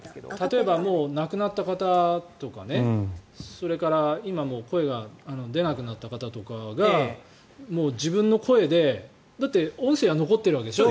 例えばもう亡くなった方とかそれから今、声が出なくなった方とかが自分の声でだって音声は残ってるわけでしょ